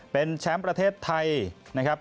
เป็นแชมป์ประเทศไทยนะครับ